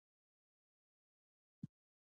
دغه علم د پېړۍ په دویمه لسیزه کې مروج شوی.